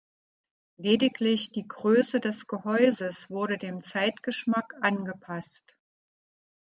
Lediglich die Grösse des Gehäuses wurde dem Zeitgeschmack angepasst.